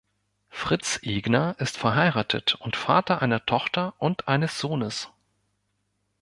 Fritz Egner ist verheiratet und Vater einer Tochter und eines Sohnes.